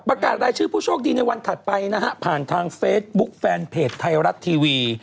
ประกาศรายชื่อผู้โชคดีในวันถัดไปนะฮะผ่านทางเฟซบุ๊คแฟนเพจไทยรัฐทีวี